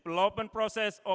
tentang proses pembangunan